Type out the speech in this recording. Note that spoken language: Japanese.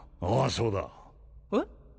そうだえっ？